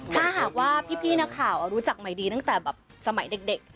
ถ้าหากว่าพี่นักข่าวรู้จักใหม่ดีตั้งแต่แบบสมัยเด็ก